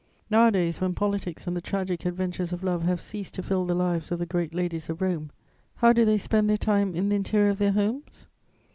Nowadays, when politics and the tragic adventures of love have ceased to fill the lives of the great ladies of Rome, how do they spend their time in the interior of their homes?